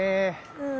うん。